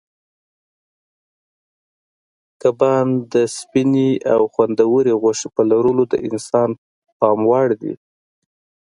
کبان د سپینې او خوندورې غوښې په لرلو د انسان پام وړ دي.